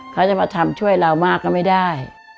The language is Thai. เขาจะมาทำช่วยเรามากก็ไม่ได้